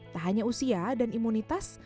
tak hanya usia dan imunitas